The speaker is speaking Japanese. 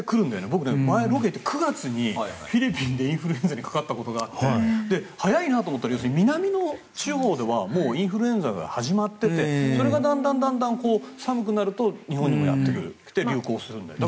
僕、前にロケに行って９月にフィリピンでインフルエンザにかかったことがあって早いなと思ったら南の地方ではもうインフルエンザが始まっていてそれがだんだん寒くなると日本にやってきて流行するんだよね。